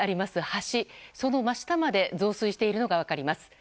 橋その真下まで増水しているのが分かります。